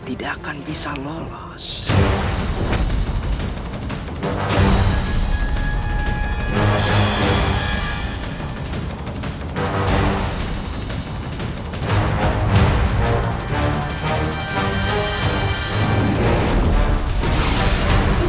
tidak semudah itu mengelabuhiku